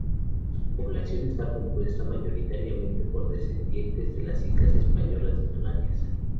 Su población está compuesta mayoritariamente por descendientes de las islas españolas de Canarias.